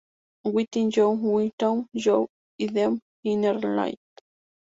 Within You Without You y The Inner Light.